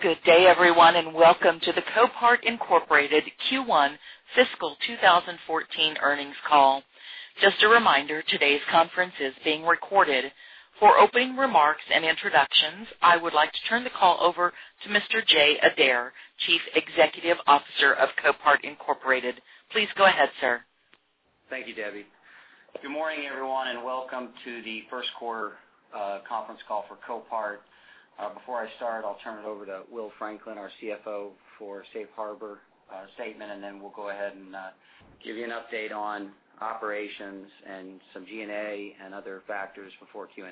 Good day, everyone. Welcome to the Copart, Inc. Q1 Fiscal 2014 earnings call. Just a reminder, today's conference is being recorded. For opening remarks and introductions, I would like to turn the call over to Mr. Jay Adair, Chief Executive Officer of Copart, Inc. Please go ahead, sir. Thank you, Debbie. Good morning, everyone. Welcome to the first quarter conference call for Copart. Before I start, I'll turn it over to William Franklin, our CFO, for safe harbor statement. We'll go ahead and give you an update on operations and some G&A and other factors before Q&A.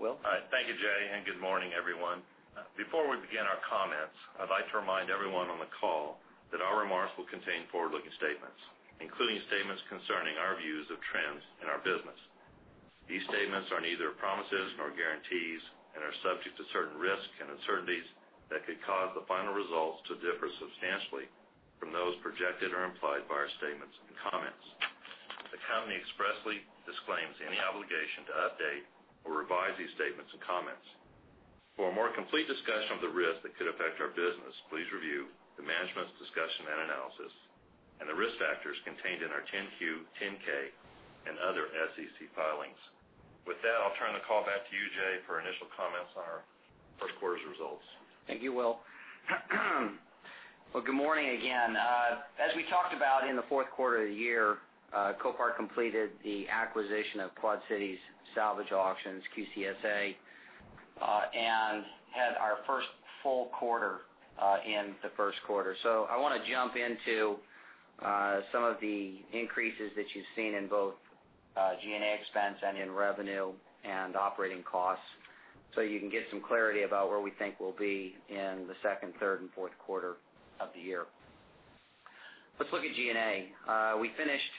Will? All right. Thank you, Jay. Good morning, everyone. Before we begin our comments, I'd like to remind everyone on the call that our remarks will contain forward-looking statements, including statements concerning our views of trends in our business. These statements are neither promises nor guarantees and are subject to certain risks and uncertainties that could cause the final results to differ substantially from those projected or implied by our statements and comments. The company expressly disclaims any obligation to update or revise these statements and comments. For a more complete discussion of the risks that could affect our business, please review the management's discussion and analysis and the risk factors contained in our 10-Q, 10-K, and other SEC filings. With that, I'll turn the call back to you, Jay, for initial comments on our first quarter's results. Thank you, Will. Well, good morning again. As we talked about in the fourth quarter of the year, Copart completed the acquisition of Quad City Salvage Auction, QCSA, and had our first full quarter in the first quarter. I want to jump into some of the increases that you've seen in both G&A expense and in revenue and operating costs so you can get some clarity about where we think we'll be in the second, third, and fourth quarter of the year. Let's look at G&A. We finished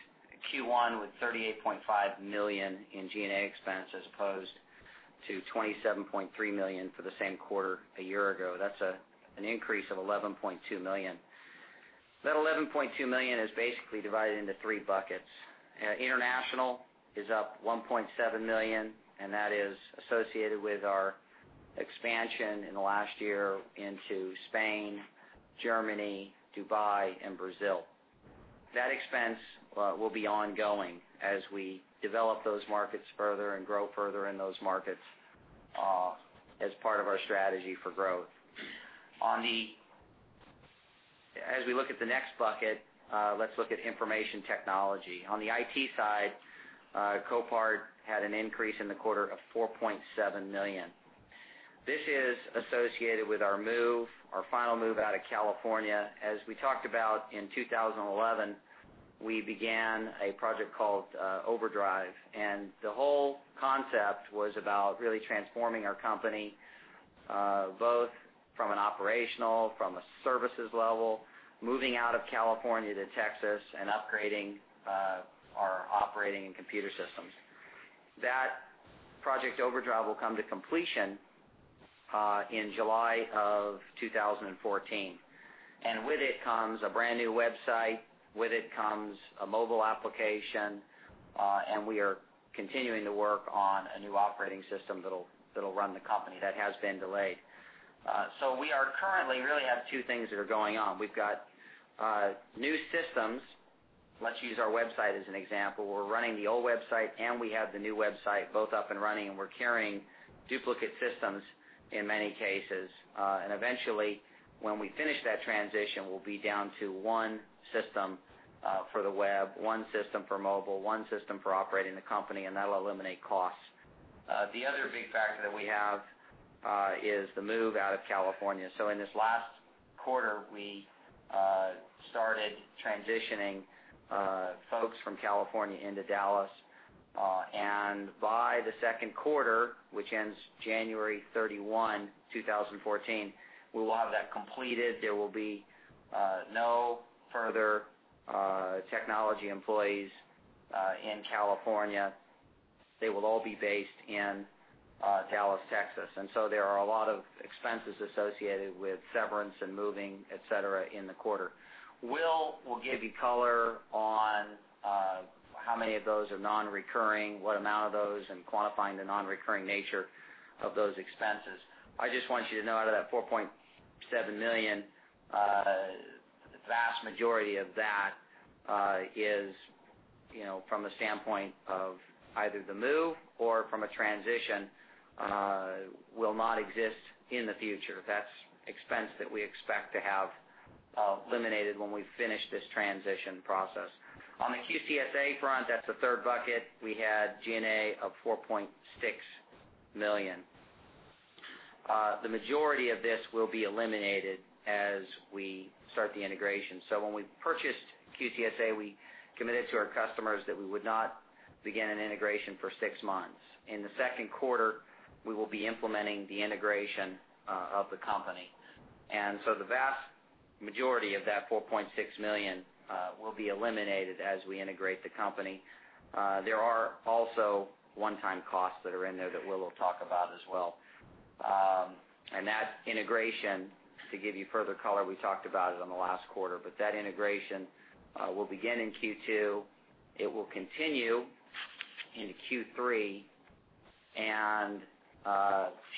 Q1 with $38.5 million in G&A expense as opposed to $27.3 million for the same quarter a year ago. That's an increase of $11.2 million. That $11.2 million is basically divided into three buckets. International is up $1.9 million. That is associated with our expansion in the last year into Spain, Germany, Dubai, and Brazil. That expense will be ongoing as we develop those markets further and grow further in those markets as part of our strategy for growth. As we look at the next bucket, let's look at information technology. On the IT side, Copart had an increase in the quarter of $4.7 million. This is associated with our final move out of California. As we talked about in 2011, we began a project called OverDrive, and the whole concept was about really transforming our company, both from an operational, from a services level, moving out of California to Texas, and upgrading our operating and computer systems. That project OverDrive will come to completion in July of 2014. With it comes a brand new website, with it comes a mobile application, we are continuing to work on a new operating system that'll run the company. That has been delayed. We currently really have two things that are going on. We've got new systems. Let's use our website as an example. We're running the old website and we have the new website both up and running, and we're carrying duplicate systems in many cases. Eventually, when we finish that transition, we'll be down to one system for the web, one system for mobile, one system for operating the company, and that’ll eliminate costs. The other big factor that we have is the move out of California. In this last quarter, we started transitioning folks from California into Dallas. By the second quarter, which ends January 31, 2014, we'll have that completed. There will be no further technology employees in California. They will all be based in Dallas, Texas. There are a lot of expenses associated with severance and moving, et cetera, in the quarter. Will give you color on how many of those are non-recurring, what amount of those, and quantifying the non-recurring nature of those expenses. I just want you to know out of that $4.7 million, the vast majority of that is from a standpoint of either the move or from a transition will not exist in the future. That's expense that we expect to have eliminated when we finish this transition process. On the QCSA front, that's the third bucket. We had G&A of $4.6 million. The majority of this will be eliminated as we start the integration. When we purchased QCSA, we committed to our customers that we would not begin an integration for six months. In the second quarter, we will be implementing the integration of the company. The vast majority of that $4.6 million will be eliminated as we integrate the company. There are also one-time costs that are in there that Will talk about as well. That integration, to give you further color, we talked about it on the last quarter, but that integration will begin in Q2. It will continue into Q3, and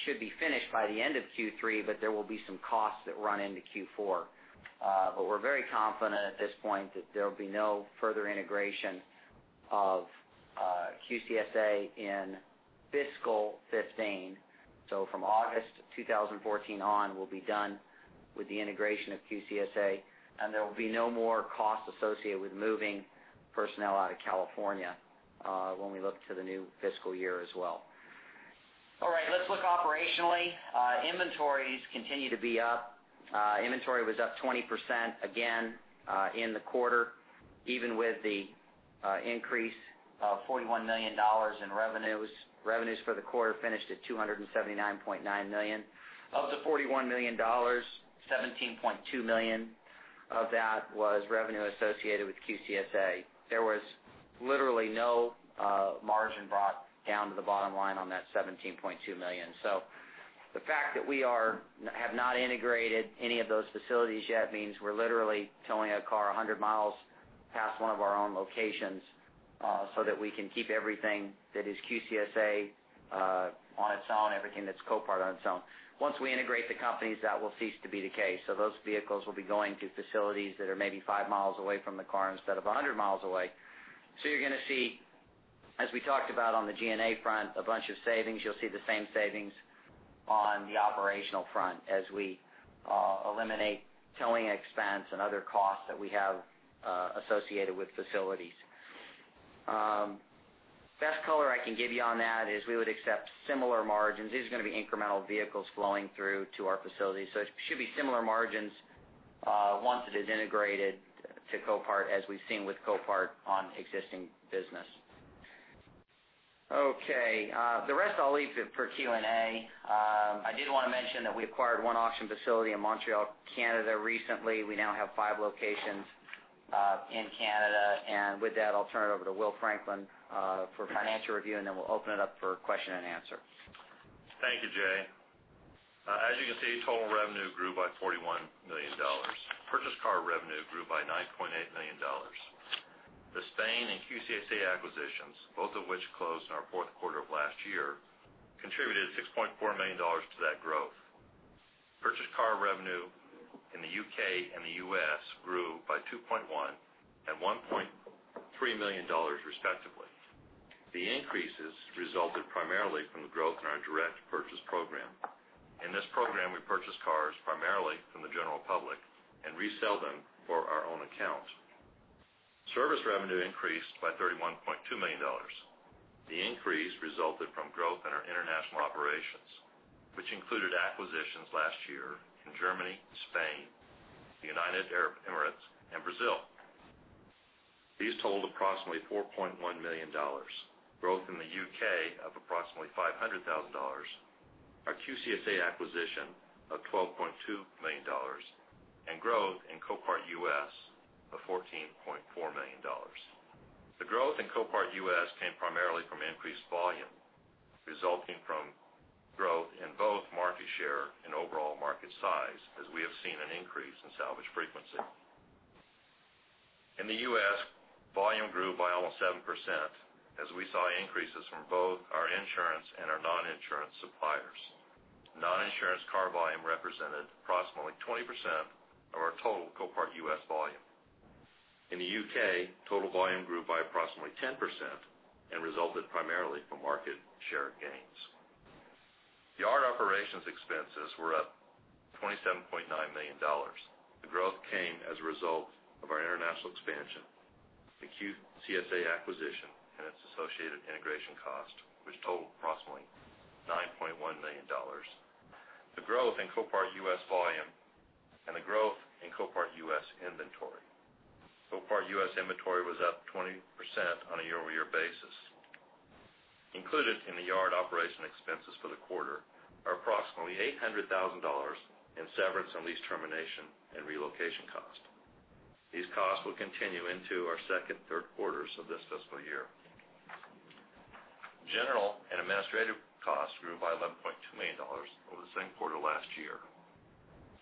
should be finished by the end of Q3, but there will be some costs that run into Q4. We're very confident at this point that there will be no further integration of QCSA in fiscal 2015. From August 2014 on, we'll be done with the integration of QCSA, and there will be no more cost associated with moving personnel out of California when we look to the new fiscal year as well. All right, let's look operationally. Inventories continue to be up. Inventory was up 20% again in the quarter, even with the increase of $41 million in revenues. Revenues for the quarter finished at $279.9 million. Of the $41 million, $17.2 million of that was revenue associated with QCSA. There was literally no margin brought down to the bottom line on that $17.2 million. The fact that we have not integrated any of those facilities yet means we're literally towing a car 100 miles past one of our own locations, so that we can keep everything that is QCSA on its own, everything that's Copart on its own. Once we integrate the companies, that will cease to be the case. Those vehicles will be going to facilities that are maybe five miles away from the car instead of 100 miles away. You're going to see, as we talked about on the G&A front, a bunch of savings. You'll see the same savings on the operational front as we eliminate towing expense and other costs that we have associated with facilities. Best color I can give you on that is we would accept similar margins. These are going to be incremental vehicles flowing through to our facilities. It should be similar margins once it is integrated to Copart as we've seen with Copart on existing business. Okay, the rest I'll leave for Q&A. I did want to mention that we acquired one auction facility in Montreal, Canada recently. We now have five locations in Canada. With that, I'll turn it over to William Franklin for financial review, and then we'll open it up for question and answer. Thank you, Jay. As you can see, total revenue grew by $41 million. Purchased car revenue grew by $9.8 million. The Spain and QCSA acquisitions, both of which closed in our fourth quarter of last year, contributed $6.4 million to that growth. Purchased car revenue in the U.K. and the U.S. grew by 2.1 and $1.3 million respectively. The increases resulted primarily from the growth in our direct purchase program. In this program, we purchase cars primarily from the general public and resell them for our own account. Service revenue increased by $31.2 million. The increase resulted from growth in our international operations, which included acquisitions last year in Germany, Spain, the United Arab Emirates, and Brazil. These totaled approximately $4.1 million. Growth in the U.K. of approximately $500,000. Our QCSA acquisition of $12.2 million. Growth in Copart U.S. of $14.4 million. The growth in Copart U.S. came primarily from increased volume, resulting from growth in both market share and overall market size, as we have seen an increase in salvage frequency. In the U.S., volume grew by almost 7%, as we saw increases from both our insurance and our non-insurance suppliers. Non-insurance car volume represented approximately 20% of our total Copart U.S. volume. In the U.K., total volume grew by approximately 10% and resulted primarily from market share gains. The yard operations expenses were up $27.9 million. The growth came as a result of our international expansion, the QCSA acquisition and its associated integration cost, which totaled approximately $9.1 million. The growth in Copart U.S. volume and the growth in Copart U.S. inventory. Copart U.S. inventory was up 20% on a year-over-year basis. Included in the yard operation expenses for the quarter are approximately $800,000 in severance and lease termination and relocation cost. These costs will continue into our second, third quarters of this fiscal year. General and administrative costs grew by $11.2 million over the same quarter last year.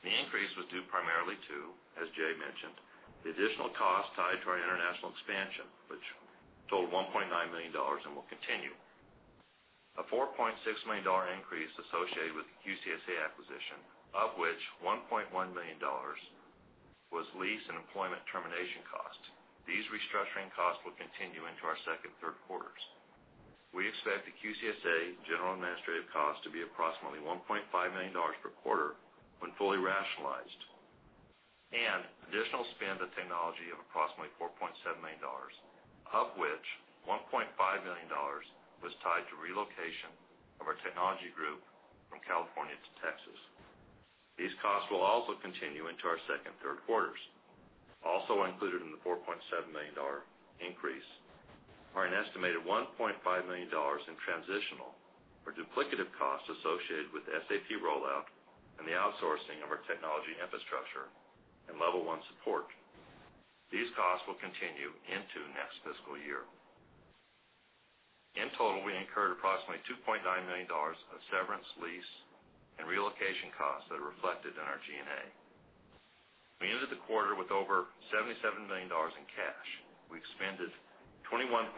The increase was due primarily to, as Jay mentioned, the additional cost tied to our international expansion, which totaled $1.9 million and will continue. A $4.6 million increase associated with the QCSA acquisition, of which $1.1 million was lease and employment termination cost. These restructuring costs will continue into our second and third quarters. We expect the QCSA general administrative cost to be approximately $1.5 million per quarter when fully rationalized. Additional spend of technology of approximately $4.7 million, of which $1.5 million was tied to relocation of our technology group from California to Texas. These costs will also continue into our second and third quarters. Also included in the $4.7 million increase are an estimated $1.5 million in transitional or duplicative costs associated with the SAP rollout and the outsourcing of our technology infrastructure and level 1 support. These costs will continue into next fiscal year. $2.9 million of severance lease and relocation costs that are reflected in our G&A. We ended the quarter with over $77 million in cash. We expended $21.6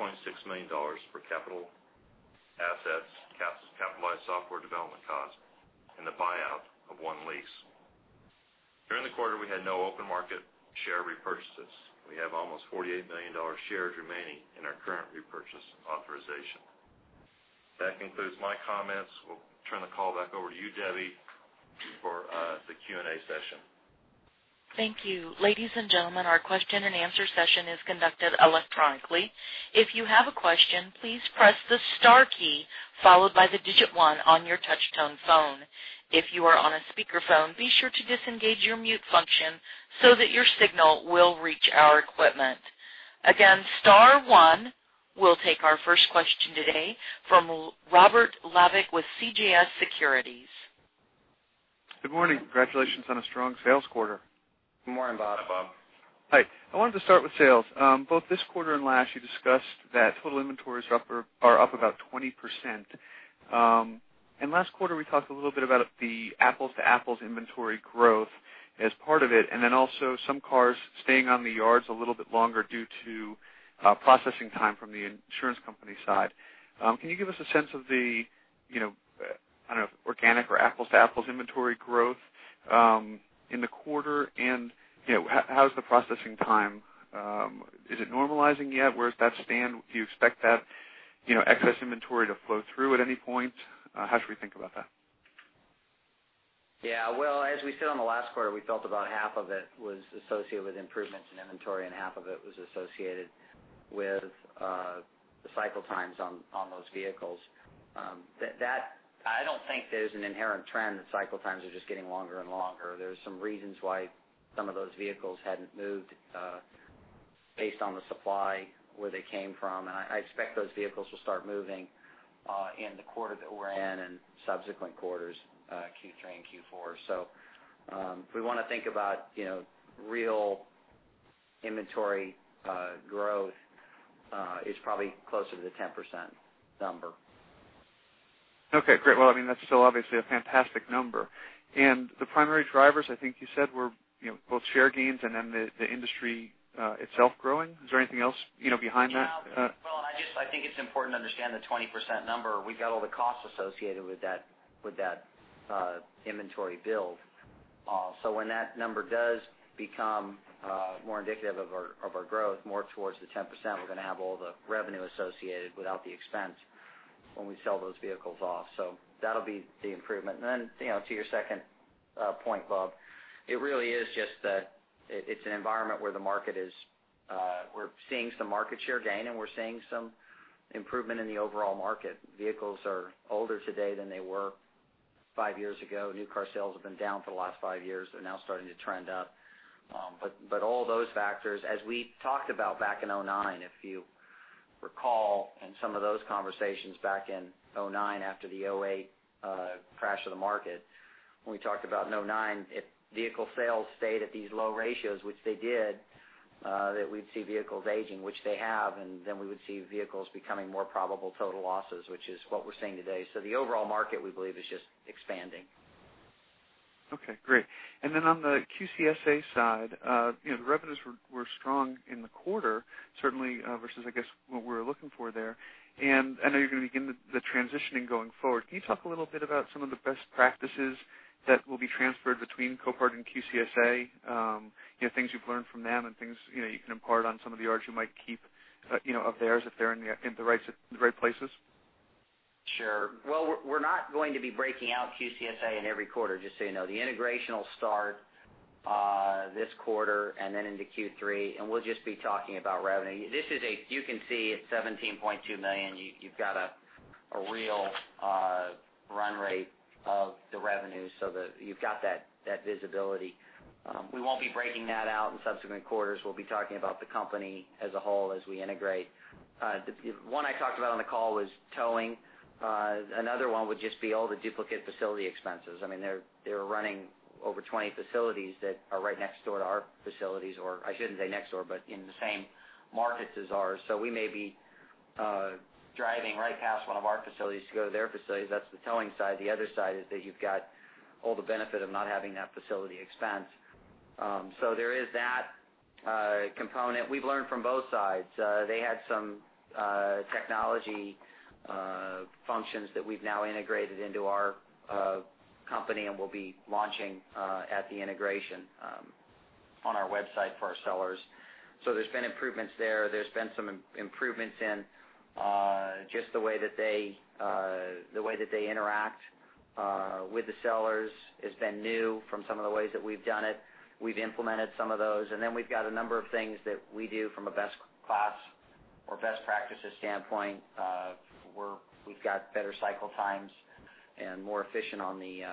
million for capital assets, capitalized software development costs, and the buyout of one lease. During the quarter, we had no open market share repurchases. We have almost $48 million shares remaining in our current repurchase authorization. That concludes my comments. We'll turn the call back over to you, Debbie, for the Q&A session. Thank you. Ladies and gentlemen, our question and answer session is conducted electronically. If you have a question, please press the star key followed by the digit one on your touch-tone phone. If you are on a speakerphone, be sure to disengage your mute function so that your signal will reach our equipment. Again, star one. We'll take our first question today from Bob Labick with CJS Securities. Good morning. Congratulations on a strong sales quarter. Good morning, Bob. Hi, Bob. Hi. I wanted to start with sales. Both this quarter and last, you discussed that total inventories are up about 20%. Last quarter, we talked a little bit about the apples-to-apples inventory growth as part of it, and then also some cars staying on the yards a little bit longer due to processing time from the insurance company side. Can you give us a sense of the organic or apples-to-apples inventory growth in the quarter? How's the processing time? Is it normalizing yet? Where does that stand? Do you expect that excess inventory to flow through at any point? How should we think about that? Well, as we said on the last quarter, we felt about half of it was associated with improvements in inventory, and half of it was associated with the cycle times on those vehicles. I don't think there's an inherent trend that cycle times are just getting longer and longer. There's some reasons why some of those vehicles hadn't moved based on the supply where they came from, and I expect those vehicles will start moving in the quarter that we're in and subsequent quarters, Q3 and Q4. If we want to think about real inventory growth is probably closer to the 10% number. Okay, great. Well, that's still obviously a fantastic number. The primary drivers, I think you said, were both share gains and then the industry itself growing. Is there anything else behind that? Well, I think it's important to understand the 20% number. We got all the costs associated with that inventory build. When that number does become more indicative of our growth, more towards the 10%, we're going to have all the revenue associated without the expense when we sell those vehicles off. That'll be the improvement. Then, to your second point, Bob, it really is just that it's an environment where the market is, we're seeing some market share gain, and we're seeing some improvement in the overall market. Vehicles are older today than they were five years ago. New car sales have been down for the last five years. They're now starting to trend up. All those factors, as we talked about back in 2009, if you recall, in some of those conversations back in 2009 after the 2008 crash of the market, when we talked about in 2009, if vehicle sales stayed at these low ratios, which they did, that we'd see vehicles aging, which they have, and then we would see vehicles becoming more probable total losses, which is what we're seeing today. The overall market, we believe, is just expanding. Okay, great. On the QCSA side, the revenues were strong in the quarter, certainly versus, I guess, what we were looking for there. I know you're going to begin the transitioning going forward. Can you talk a little bit about some of the best practices that will be transferred between Copart and QCSA? Things you've learned from them and things you can impart on some of the yards you might keep of theirs if they're in the right places. Sure. We're not going to be breaking out QCSA in every quarter, just so you know. The integration will start this quarter into Q3, we'll just be talking about revenue. You can see it's $17.2 million. You've got a real run rate of the revenue so that you've got that visibility. We won't be breaking that out in subsequent quarters. We'll be talking about the company as a whole as we integrate. One I talked about on the call was towing. Another one would just be all the duplicate facility expenses. They were running over 20 facilities that are right next door to our facilities. I shouldn't say next door, but in the same markets as ours. We may be driving right past one of our facilities to go to their facilities. That's the towing side. The other side is that you've got all the benefit of not having that facility expense. There is that component. We've learned from both sides. They had some technology functions that we've now integrated into our company and will be launching at the integration on our website for our sellers. There's been improvements there. There's been some improvements in just the way that they interact with the sellers has been new from some of the ways that we've done it. We've implemented some of those, we've got a number of things that we do from a best class or best practices standpoint. We've got better cycle times and more efficient on the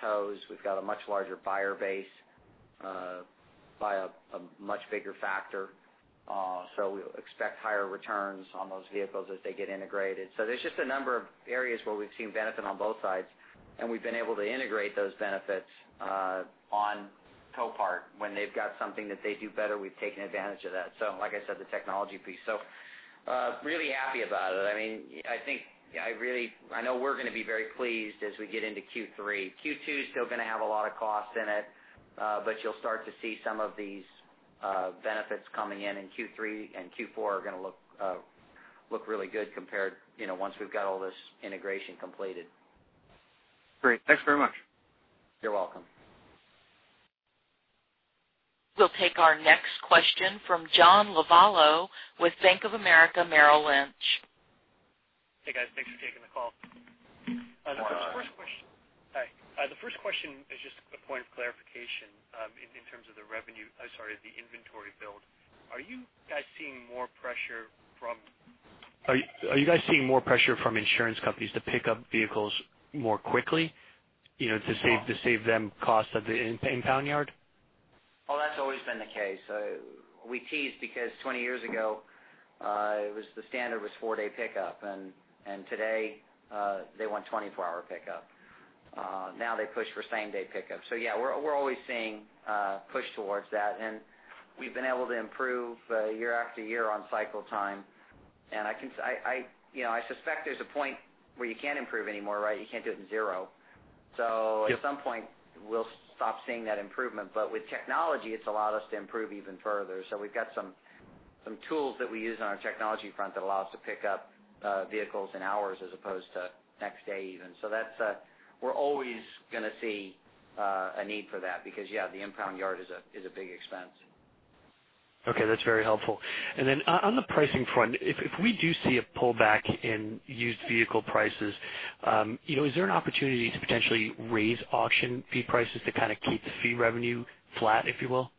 tows. We've got a much larger buyer base by a much bigger factor. We expect higher returns on those vehicles as they get integrated. There's just a number of areas where we've seen benefit on both sides, and we've been able to integrate those benefits on Copart. When they've got something that they do better, we've taken advantage of that. Like I said, the technology piece. Really happy about it. I know we're going to be very pleased as we get into Q3. Q2 is still going to have a lot of costs in it, but you'll start to see some of these benefits coming in, Q3 and Q4 are going to look really good compared, once we've got all this integration completed. Great. Thanks very much. You're welcome. We'll take our next question from John Lovallo with Bank of America Merrill Lynch. Hey, guys. Thanks for taking the call. Good morning. Hi. The first question is just a point of clarification in terms of the inventory build. Are you guys seeing more pressure from insurance companies to pick up vehicles more quickly to save them costs at the impound yard? That's always been the case. We tease because 20 years ago, the standard was four-day pickup, and today, they want 24-hour pickup. Now they push for same-day pickup. Yeah, we're always seeing push towards that, and we've been able to improve year after year on cycle time. I suspect there's a point where you can't improve anymore, right? You can't do it in zero. Yep. At some point, we'll stop seeing that improvement. With technology, it's allowed us to improve even further. We've got some tools that we use on our technology front that allow us to pick up vehicles in hours as opposed to next day even. We're always going to see a need for that because, yeah, the impound yard is a big expense. Okay, that's very helpful. On the pricing front, if we do see a pullback in used vehicle prices, is there an opportunity to potentially raise auction fee prices to kind of keep the fee revenue flat, if you will?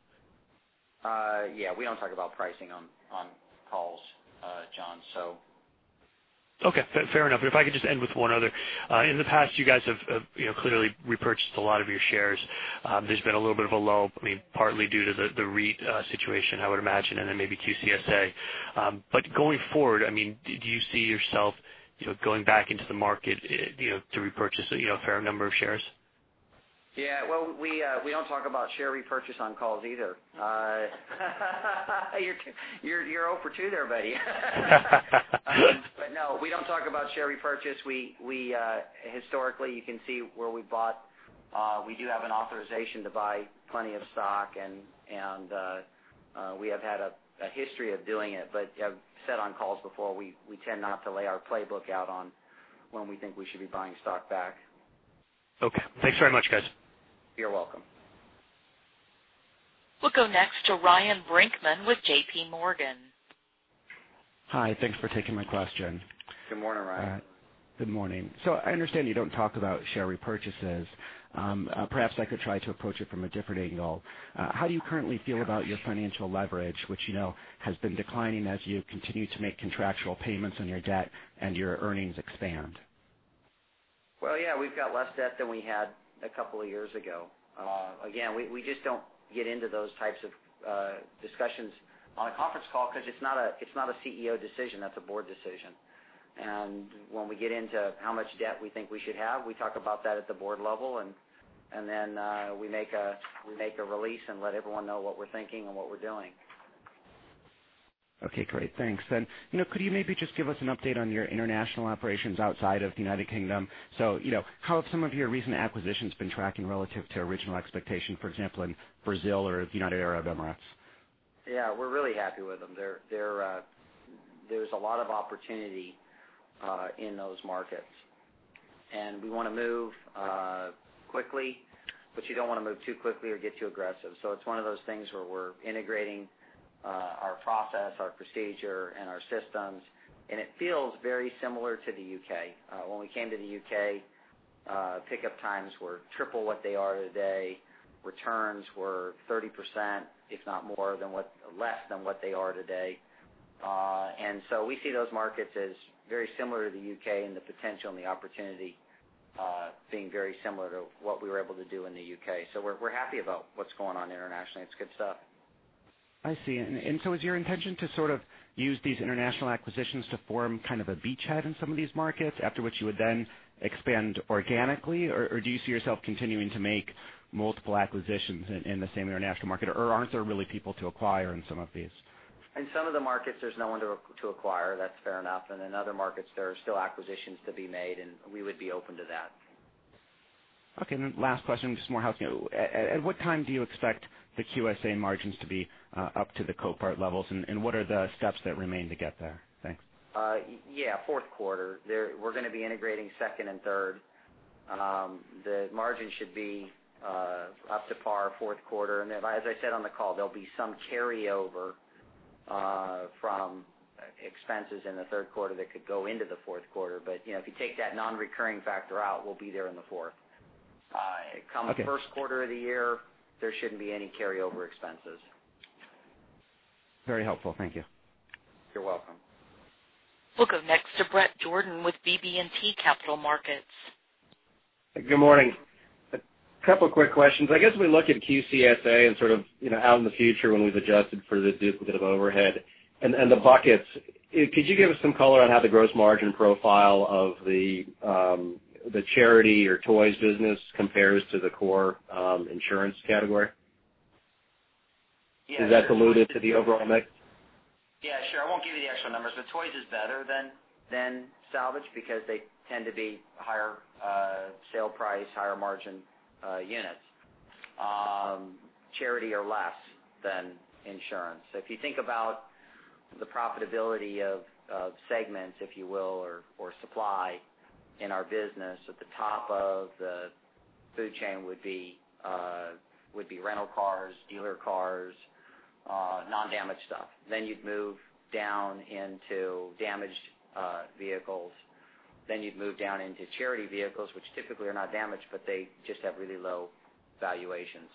Yeah. We don't talk about pricing on calls, John. Okay. Fair enough. If I could just end with one other. In the past, you guys have clearly repurchased a lot of your shares. There's been a little bit of a lull, partly due to the REIT situation, I would imagine, and then maybe QCSA. Going forward, do you see yourself going back into the market to repurchase a fair number of shares? Yeah. Well, we don't talk about share repurchase on calls either. You're zero for two there, buddy. No, we don't talk about share repurchase. Historically, you can see where we bought. We do have an authorization to buy plenty of stock, and we have had a history of doing it. I've said on calls before, we tend not to lay our playbook out on when we think we should be buying stock back. Okay. Thanks very much, guys. You're welcome. We'll go next to Ryan Brinkman with JPMorgan. Hi. Thanks for taking my question. Good morning, Ryan. Good morning. I understand you don't talk about share repurchases. Perhaps I could try to approach it from a different angle. How do you currently feel about your financial leverage, which you know has been declining as you continue to make contractual payments on your debt and your earnings expand? Well, yeah, we've got less debt than we had a couple of years ago. Again, we just don't get into those types of discussions on a conference call because it's not a CEO decision, that's a board decision. When we get into how much debt we think we should have, we talk about that at the board level, and then we make a release and let everyone know what we're thinking and what we're doing. Okay, great. Thanks. Could you maybe just give us an update on your international operations outside of the U.K.? How have some of your recent acquisitions been tracking relative to original expectation, for example, in Brazil or the United Arab Emirates? Yeah, we're really happy with them. There's a lot of opportunity in those markets, and we want to move quickly, but you don't want to move too quickly or get too aggressive. It's one of those things where we're integrating our process, our procedure, and our systems, and it feels very similar to the U.K. When we came to the U.K., pickup times were triple what they are today. Returns were 30%, if not more than what, less than what they are today. We see those markets as very similar to the U.K., and the potential and the opportunity being very similar to what we were able to do in the U.K. We're happy about what's going on internationally. It's good stuff. I see. Is your intention to sort of use these international acquisitions to form kind of a beachhead in some of these markets, after which you would then expand organically? Do you see yourself continuing to make multiple acquisitions in the same international market, or aren't there really people to acquire in some of these? In some of the markets, there's no one to acquire, that's fair enough. In other markets, there are still acquisitions to be made, and we would be open to that. Okay, last question, just more housekeeping. At what time do you expect the QCSA margins to be up to the Copart levels, and what are the steps that remain to get there? Thanks. Yeah, fourth quarter. We're going to be integrating second and third. The margin should be up to par fourth quarter. As I said on the call, there'll be some carryover from expenses in the third quarter that could go into the fourth quarter. If you take that non-recurring factor out, we'll be there in the fourth. Okay. Come first quarter of the year, there shouldn't be any carryover expenses. Very helpful. Thank you. You're welcome. We'll go next to Bret Jordan with BB&T Capital Markets. Good morning. A couple quick questions. I guess when we look at QCSA and sort of out in the future when we've adjusted for the duplicate of overhead and the buckets, could you give us some color on how the gross margin profile of the charity or toys business compares to the core insurance category? Is that dilutive to the overall mix? Sure. I won't give you the actual numbers, but toys is better than salvage because they tend to be higher sale price, higher margin units. Charity are less than insurance. If you think about the profitability of segments, if you will, or supply in our business, at the top of the food chain would be rental cars, dealer cars, non-damaged stuff. You'd move down into damaged vehicles. You'd move down into charity vehicles, which typically are not damaged, but they just have really low valuations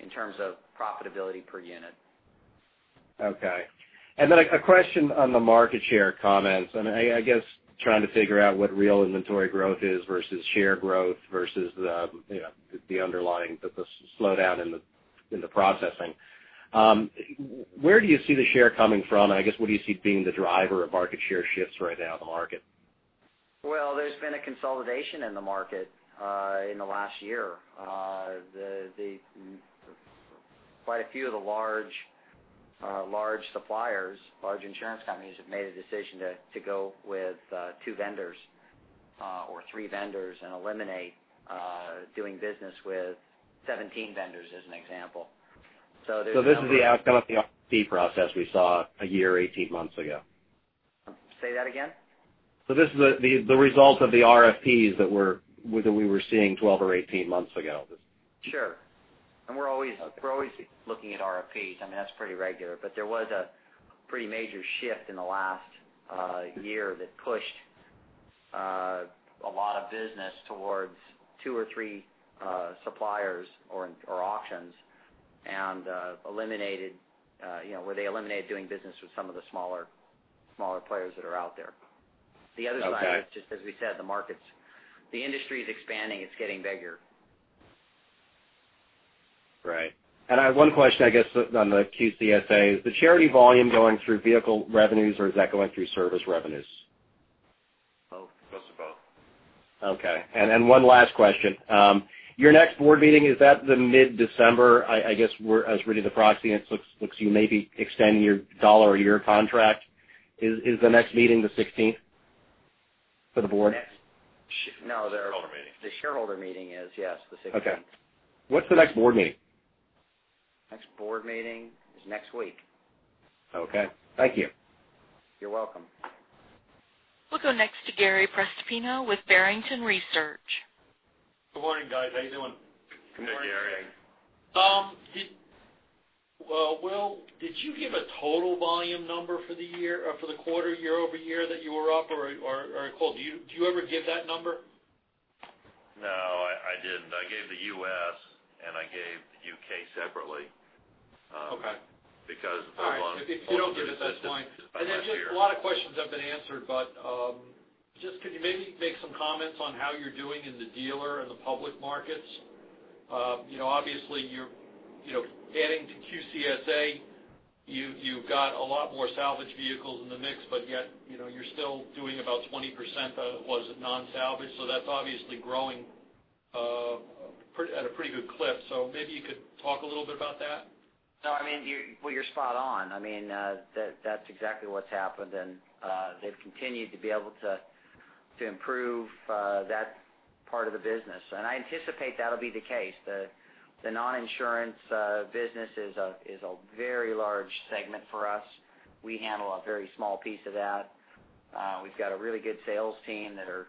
in terms of profitability per unit. Okay. A question on the market share comments, and I guess trying to figure out what real inventory growth is versus share growth versus the underlying, the slowdown in the processing. Where do you see the share coming from, and I guess, what do you see being the driver of market share shifts right now in the market? Well, there's been a consolidation in the market in the last year. Quite a few of the large suppliers, large insurance companies, have made a decision to go with two vendors or three vendors and eliminate doing business with 17 vendors, as an example. There's a number- This is the outcome of the RFP process we saw a year, 18 months ago. Say that again? This is the result of the RFPs that we were seeing 12 or 18 months ago. Sure. We're always looking at RFPs. I mean, that's pretty regular. There was a pretty major shift in the last year that pushed a lot of business towards two or three suppliers or auctions, where they eliminated doing business with some of the smaller players that are out there. Okay. The other side is, just as we said, the industry is expanding. It's getting bigger. Right. I have one question, I guess, on the QCSA. Is the charity volume going through vehicle revenues, or is that going through service revenues? Both. It goes to both. Okay. One last question. Your next board meeting, is that the mid-December? I guess, I was reading the proxy, and it looks like you may be extending your dollar-a-year contract. Is the next meeting the 16th for the board? No. The shareholder meeting. The shareholder meeting is, yes, the 16th. Okay. What's the next board meeting? Next board meeting is next week. Okay. Thank you. You're welcome. We'll go next to Gary Prestopino with Barrington Research. Good morning, guys. How you doing? Good morning. Good. Well, Will, did you give a total volume number for the quarter year-over-year that you were up? Or, could you ever give that number? No, I didn't. I gave the U.S., and I gave the U.K. separately. Okay. Because of- All right. If you don't give it, that's fine. last year. A lot of questions have been answered, but just could you maybe make some comments on how you're doing in the dealer and the public markets? Obviously, you're adding to QCSA. You've got a lot more salvage vehicles in the mix, but yet you're still doing about 20% that was non-salvage. That's obviously growing at a pretty good clip. Maybe you could talk a little bit about that. No, well, you're spot on. That's exactly what's happened, and they've continued to be able to improve that part of the business. I anticipate that'll be the case. The non-insurance business is a very large segment for us. We handle a very small piece of that. We've got a really good sales team that are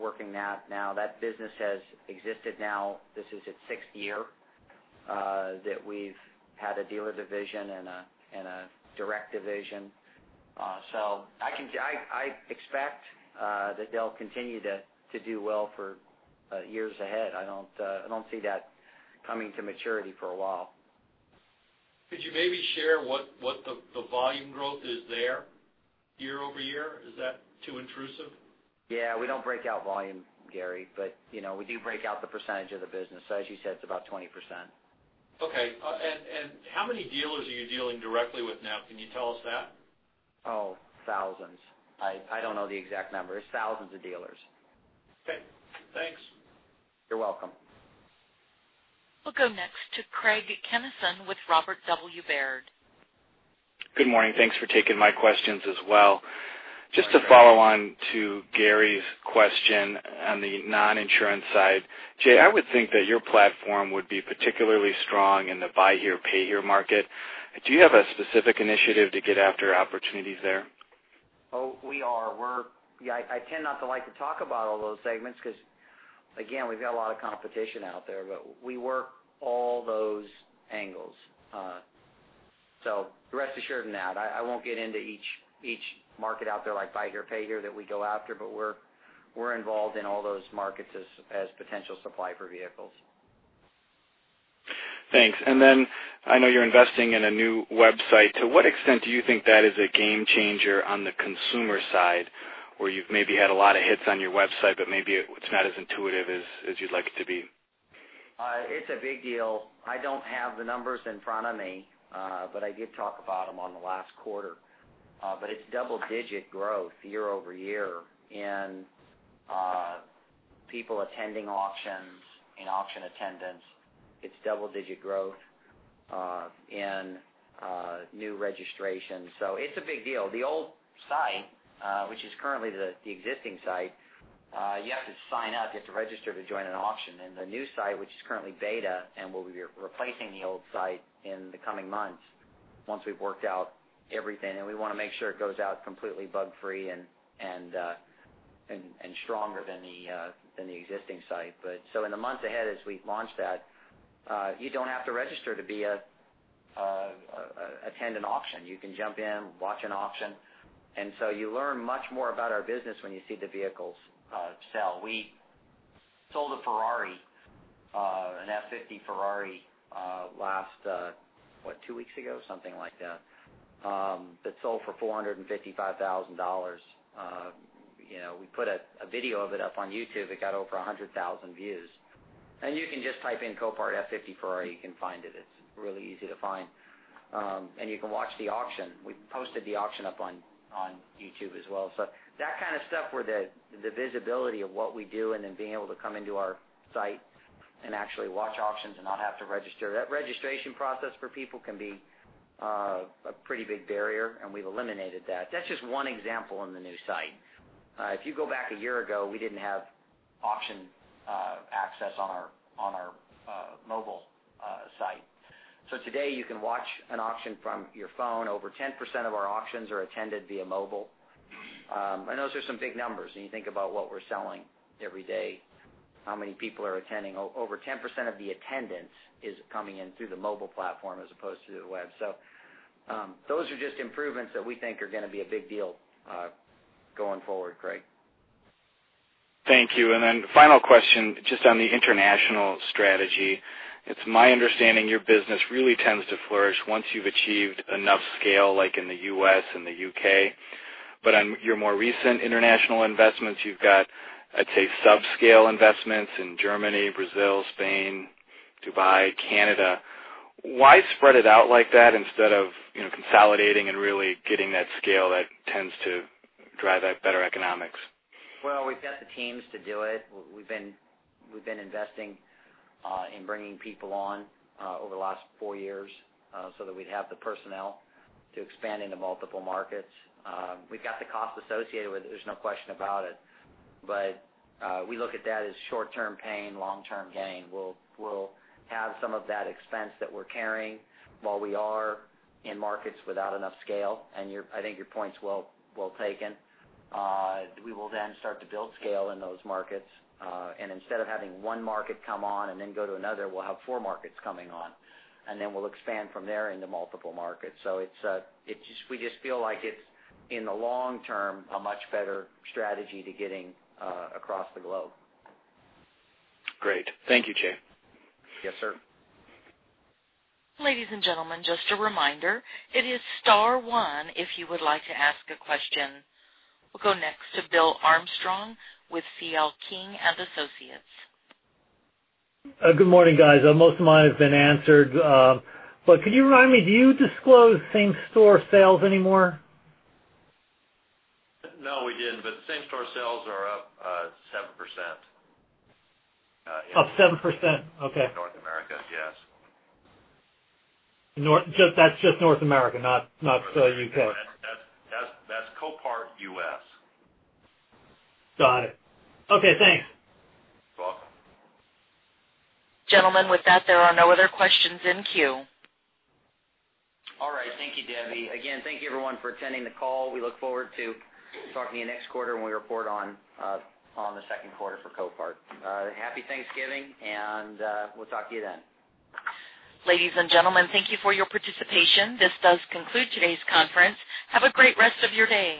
working that now. That business has existed now, this is its sixth year that we've had a dealer division and a direct division. I expect that they'll continue to do well for years ahead. I don't see that coming to maturity for a while. Could you maybe share what the volume growth is there year-over-year? Is that too intrusive? Yeah, we don't break out volume, Gary, but we do break out the percentage of the business. As you said, it's about 20%. Okay. How many dealers are you dealing directly with now? Can you tell us that? Oh, thousands. I don't know the exact number. It's thousands of dealers. Okay. Thanks. You're welcome. We'll go next to Craig Kennison with Robert W. Baird. Good morning. Thanks for taking my questions as well. Good morning. Just to follow on to Gary's question on the non-insurance side, Jay, I would think that your platform would be particularly strong in the buy here, pay here market. Do you have a specific initiative to get after opportunities there? Oh, we are. I tend not to like to talk about all those segments because, again, we've got a lot of competition out there, but we work all those angles. Rest assured on that. I won't get into each market out there like buy here, pay here that we go after, but we're involved in all those markets as potential supply for vehicles. Thanks. I know you're investing in a new website. To what extent do you think that is a game changer on the consumer side, where you've maybe had a lot of hits on your website, but maybe it's not as intuitive as you'd like it to be? It's a big deal. I don't have the numbers in front of me, I did talk about them on the last quarter. It's double-digit growth year-over-year in people attending auctions, in auction attendance. It's double-digit growth in new registrations. It's a big deal. The old site, which is currently the existing site, you have to sign up, you have to register to join an auction. The new site, which is currently beta and will be replacing the old site in the coming months once we've worked out everything, and we want to make sure it goes out completely bug-free and stronger than the existing site. In the months ahead, as we launch that, you don't have to register to attend an auction. You can jump in, watch an auction. You learn much more about our business when you see the vehicles sell. We sold a Ferrari, an F50 Ferrari, last, what, two weeks ago, something like that sold for $455,000. We put a video of it up on YouTube. It got over 100,000 views. You can just type in Copart F50 Ferrari, you can find it. It's really easy to find. You can watch the auction. We posted the auction up on YouTube as well. That kind of stuff where the visibility of what we do and then being able to come into our site and actually watch auctions and not have to register. That registration process for people can be a pretty big barrier, and we've eliminated that. That's just one example on the new site. If you go back a year ago, we didn't have auction access on our mobile site. Today you can watch an auction from your phone. Over 10% of our auctions are attended via mobile. Those are some big numbers when you think about what we're selling every day, how many people are attending. Over 10% of the attendance is coming in through the mobile platform as opposed to the web. Those are just improvements that we think are going to be a big deal going forward, Craig. Thank you. Final question, just on the international strategy. It's my understanding your business really tends to flourish once you've achieved enough scale, like in the U.S. and the U.K. On your more recent international investments, you've got, let's say, sub-scale investments in Germany, Brazil, Spain, Dubai, Canada. Why spread it out like that instead of consolidating and really getting that scale that tends to drive that better economics? Well, we've got the teams to do it. We've been investing in bringing people on over the last 4 years so that we'd have the personnel to expand into multiple markets. We've got the cost associated with it, there's no question about it. We look at that as short-term pain, long-term gain. We'll have some of that expense that we're carrying while we are in markets without enough scale. I think your point's well taken. We will then start to build scale in those markets, and instead of having one market come on and then go to another, we'll have four markets coming on, and then we'll expand from there into multiple markets. We just feel like it's, in the long term, a much better strategy to getting across the globe. Great. Thank you, Jay. Yes, sir. Ladies and gentlemen, just a reminder, it is star one if you would like to ask a question. We'll go next to William Armstrong with C.L. King & Associates. Good morning, guys. Most of mine have been answered. Could you remind me, do you disclose same-store sales anymore? No, we didn't. Same-store sales are up 7%. Up 7%? Okay. In North America. Yes. That's just North America, not the U.K. That's Copart U.S. Got it. Okay, thanks. You're welcome. Gentlemen, with that, there are no other questions in queue. All right. Thank you, Debbie. Again, thank you everyone for attending the call. We look forward to talking to you next quarter when we report on the second quarter for Copart. Happy Thanksgiving, and we'll talk to you then. Ladies and gentlemen, thank you for your participation. This does conclude today's conference. Have a great rest of your day.